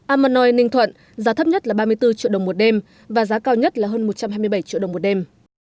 amanoi ninh thuận giá thấp nhất là ba mươi bốn triệu đồng một đêm và giá cao nhất là hơn một trăm hai mươi bảy triệu đồng một đêm